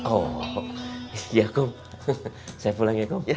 oh ya kum saya pulang ya kum assalamualaikum waalaikumsalam